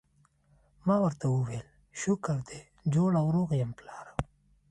ما ورته وویل: شکر دی جوړ او روغ یم، پلاره.